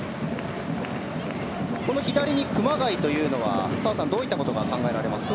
左に熊谷というのは澤さん、どういったことが考えられますか。